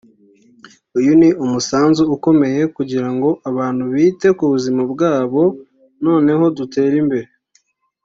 uyu ni umusanzu ukomeye kugira ngo abantu bite ku buzima bwabo noneho dutere imbere